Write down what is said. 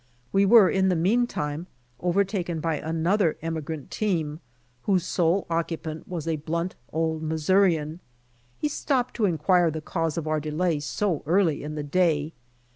We were in the meantime overtaken by another emigrant team, whose sole occupant Avas a blunt, old Missourian. He stopped to inquire the cause of our delay so early in the day.